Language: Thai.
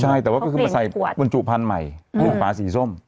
ใช่แต่ก็คือมาใส่บนจุภัณฑ์ใหม่ฝาสีส้ม